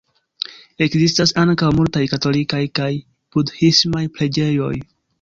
Ekzistas ankaŭ multaj katolikaj kaj budhismaj preĝejoj.